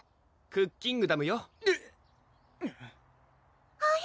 クッキングダムよはへ？